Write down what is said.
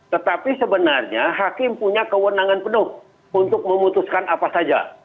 tetapi sebenarnya hakim punya kewenangan penuh untuk memutuskan apa saja